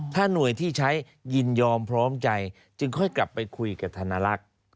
ถ้าหน่วยที่ใช้ยินยอมพร้อมใจจึงค่อยกลับไปคุยกับธนลักษณ์